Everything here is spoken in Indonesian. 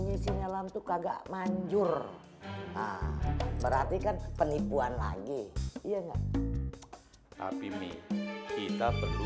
di sinyalam tuh kagak manjur berarti kan penipuan lagi iya nggak tapi mi kita perlu